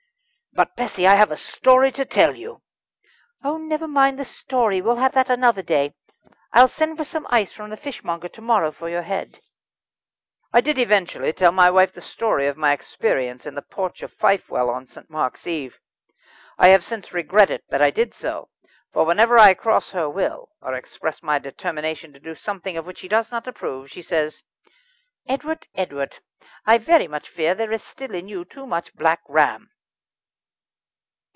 "But, Bessie, I have a story to tell you." "Oh! never mind the story, we'll have that another day. I'll send for some ice from the fishmonger to morrow for your head." I did eventually tell my wife the story of my experience in the porch of Fifewell on St. Mark's eve. I have since regretted that I did so; for whenever I cross her will, or express my determination to do something of which she does not approve, she says: "Edward, Edward! I very much fear there is still in you too much Black Ram."